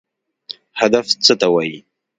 هدف څه ته وایي؟